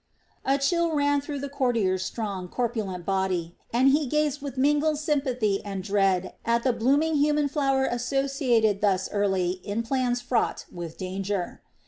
A chill ran through the courtier's strong, corpulent body, and he gazed with mingled sympathy and dread at the blooming human flower associated thus early in plans fraught with danger.